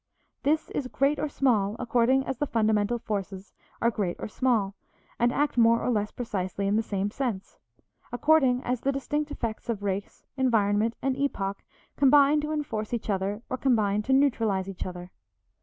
This is great or small according as the fundamental forces are great or small and act more or less precisely in the same sense, according as the distinct effects of race, environment and epoch combine to enforce each other or combine to neutralize each other.